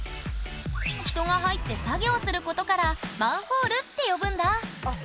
人が入って作業することからマンホールって呼ぶんだあっ